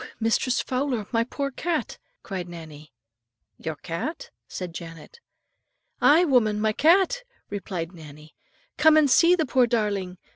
Mistress Fowler, my poor cat," cried Nannie. "Your cat?" said Janet. "Aye, woman, my cat," replied Nannie; "come and see the poor darling.